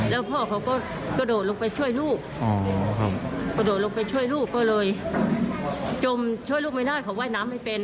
แล้วพ่อเขาก็กระโดดลงไปช่วยลูกกระโดดลงไปช่วยลูกก็เลยจมช่วยลูกไม่ได้เขาว่ายน้ำไม่เป็น